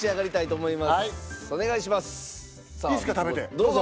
どうぞ。